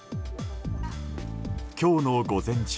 今日の午前中